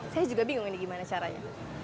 saya juga bingung ini gimana caranya